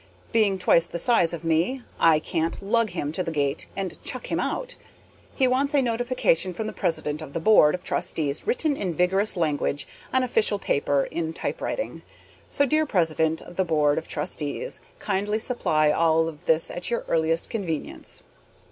Being twice the size of me, I can't lug him to the gate and chuck him out. He wants a notification from the president of the board of trustees written in vigorous language on official paper in typewriting. So, dear president of the board of trustees, kindly supply all of this at your earliest convenience.